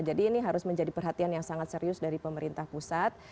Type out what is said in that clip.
jadi ini harus menjadi perhatian yang sangat serius dari pemerintah pusat